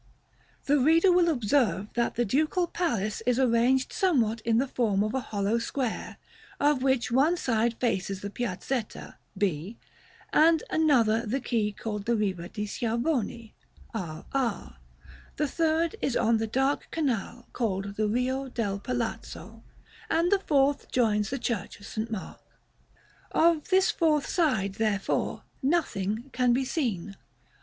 The reader will observe that the Ducal Palace is arranged somewhat in the form of a hollow square, of which one side faces the Piazzetta, B, and another the quay called the Riva de' Schiavoni, R R; the third is on the dark canal called the "Rio del Palazzo," and the fourth joins the Church of St. Mark. [Illustration: Fig. XXXVI.] [Illustration: Fig. XXXVII.] Of this fourth side, therefore, nothing can be seen.